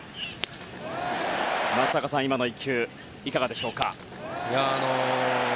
松坂さん、今の１球いかがでしょうか。